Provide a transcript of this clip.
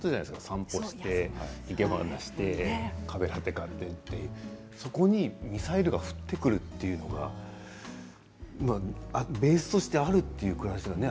散歩をして生け花をしてカフェラテ買ってそこにミサイルが降ってくるというのがベースとしてあるということですよね。